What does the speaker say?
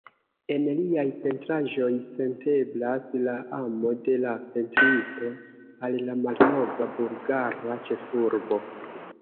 En liaj pentraĵoj senteblas la amo de la pentristo al la malnova bulgara ĉefurbo.